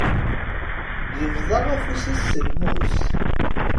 Yebḍa afus-is s lmus.